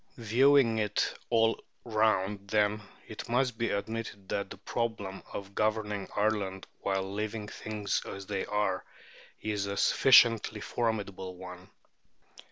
Viewing it all round, then, it must be admitted that the problem of governing Ireland while leaving things as they are is a sufficiently formidable one.